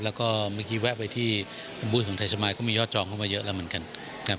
แล้วก็เมื่อกี้แวะไปที่บูรณของไทยสมายก็มียอดจองเข้ามาเยอะแล้วเหมือนกันนะครับ